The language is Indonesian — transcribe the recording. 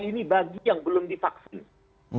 ini bagi yang belum divaksin